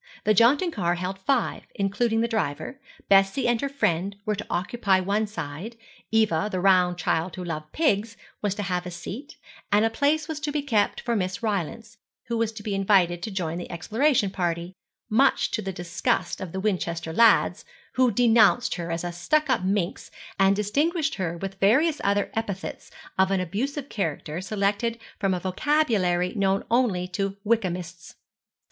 The jaunting car held five, including the driver; Bessie and her friend were to occupy one side, Eva, the round child who loved pigs, was to have a seat, and a place was to be kept for Miss Rylance, who was to be invited to join the exploration party, much to the disgust of the Winchester lads, who denounced her as a stuck up minx, and distinguished her with various other epithets of an abusive character selected from a vocabulary known only to Wyckhamists.